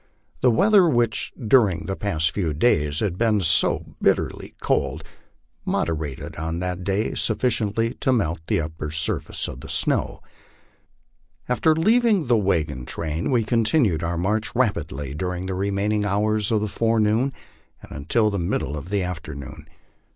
The weather, which during the past few days had been so bitterly cold, moderated on that day sufficiently to melt the upper surface of the snow. After leaving the wagon train, we continued our march rapidly during the remaining hours of the forenoon and until the middle of the afternoon.